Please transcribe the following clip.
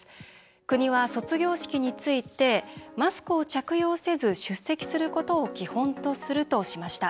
国は卒業式についてマスクを着用せず出席することを基本とするとしました。